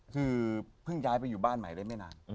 คือเพิ่งย้ายไปอยู่บ้านใหม่ได้ไม่นาน